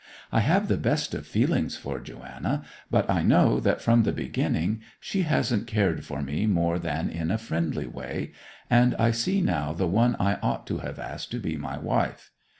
I have the best of feelings for Joanna, but I know that from the beginning she hasn't cared for me more than in a friendly way; and I see now the one I ought to have asked to be my wife.